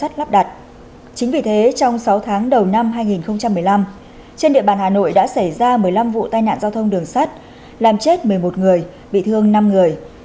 chính vì thế trong sáu tháng đầu năm hai nghìn một mươi năm trên địa bàn hà nội đã xảy ra một mươi năm vụ tai nạn giao thông đường sắt làm chết một mươi một người bị thương năm người